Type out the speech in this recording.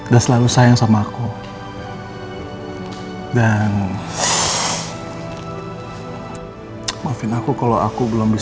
dan selalu sayang sama aku